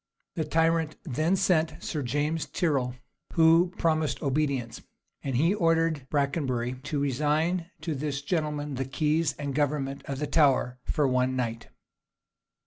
The tyrant then sent for Sir James Tyrrel, who promised obedience: and he ordered Brakenbury to resign to this gentleman the keys and government of the Tower for one night.